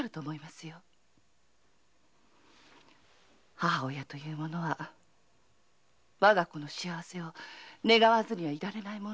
母親とはわが子の幸せを願わずにはいられないものです。